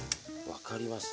分かりました。